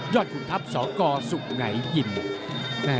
ยอดขุนทัพสกสุงัยยินทร์